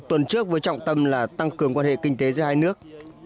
tuần trước với trọng tâm là tăng cường quan hệ kinh tế giữa hai nước